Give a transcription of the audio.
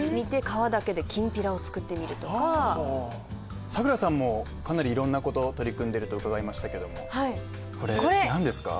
皮だけできんぴらを作ってみるとか咲楽さんもかなり色んなこと取り組んでると伺いましたけどもこれ何ですか？